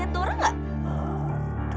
violent menghilangkan ciri ciri senior